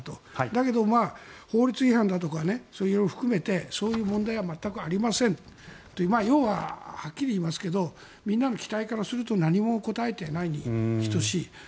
だけど、法律違反だとか色々含めてそういう問題は全くありませんという要ははっきり言いますがみんなの期待からすると何も答えていないに等しい。